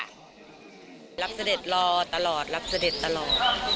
รับเสด็จรอตลอดรับเสด็จตลอด